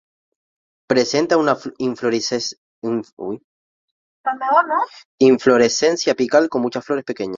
Presenta una inflorescencia apical, con muchas flores pequeñas.